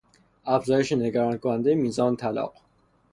افزایش نگرانکنندهی میزان طلاق